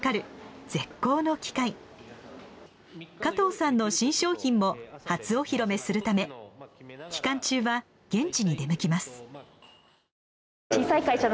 加藤さんの新商品も初お披露目するため期間中は現地に出向きます。